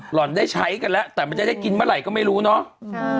ห่อนได้ใช้กันแล้วแต่มันจะได้กินเมื่อไหร่ก็ไม่รู้เนาะ